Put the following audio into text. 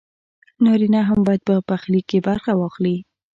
نارينه هم بايد په پخلي کښې برخه واخلي